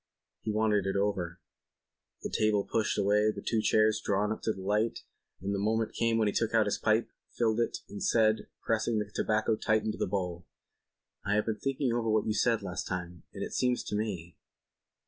He wanted it over, the table pushed away, their two chairs drawn up to the light, and the moment came when he took out his pipe, filled it, and said, pressing the tobacco tight into the bowl: "I have been thinking over what you said last time and it seems to me